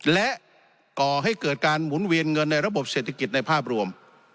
และก่อให้เกิดการหมุนเวียนเงินในระบบเศรษฐกิจในภาพรวม